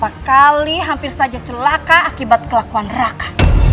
berapa kali hampir saja celaka akibat kelakuan rak